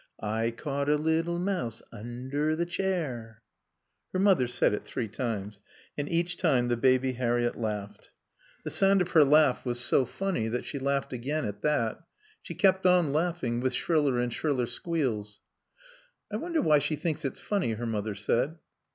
"I caught a little mouse under the chair," Her mother said it three times. And each time the Baby Harriett laughed. The sound of her laugh was so funny that she laughed again at that; she kept on laughing, with shriller and shriller squeals. "I wonder why she thinks it's funny," her mother said.